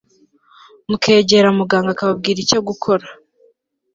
mukegera muganga akababwira icyo gukora